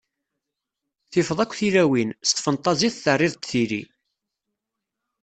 Tifeḍ akk tilawin, s tfentaẓit terriḍ-d tili.